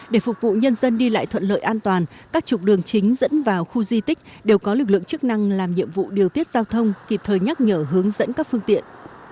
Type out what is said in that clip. để phục vụ nhân dân đi lại thuận lợi an toàn các trục đường chính dẫn vào khu di tích đều có lực lượng chức năng làm nhiệm vụ điều tiết giao thông kịp thời nhắc nhở hướng dẫn các phương tiện